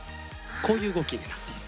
こういううごきになっている。